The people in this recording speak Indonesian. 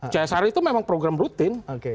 csr itu memang program rutin